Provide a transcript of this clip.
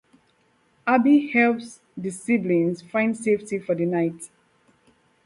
Abby helps the siblings find safety for the night.